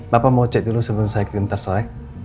bapak mau cek dulu sebelum saya ke tim tersoreng